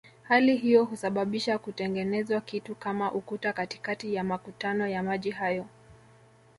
Hali hiyo husababisha kutengenezwa kitu kama ukuta katikati ya makutano ya maji hayo